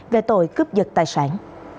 về tội cướp giật tài sản